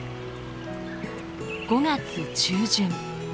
５月中旬